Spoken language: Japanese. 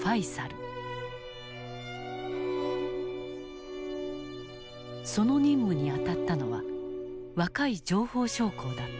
その任務に当たったのは若い情報将校だった。